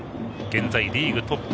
現在リーグトップ。